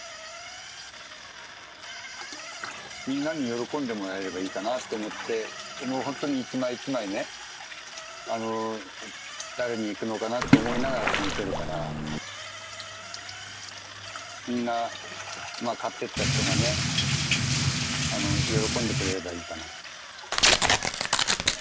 みんなに喜んでもらえればいいかなって思って基本ほんとに一枚一枚ね誰に行くのかなって思いながら染めてるからみんな買ってった人がね喜んでくれればいいかなと。